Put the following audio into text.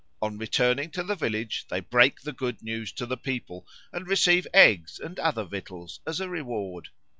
On returning to the village they break the good news to the people, and receive eggs and other victuals as a reward.